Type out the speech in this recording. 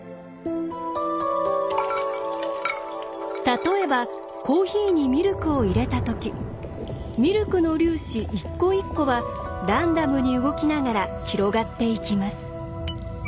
例えばコーヒーにミルクを入れたときミルクの粒子一個一個はランダムに動きながら広がっていきます。